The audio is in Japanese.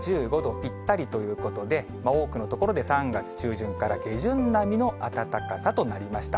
東京都心は１５度ぴったりということで、多くの所で３月中旬から下旬並みの暖かさとなりました。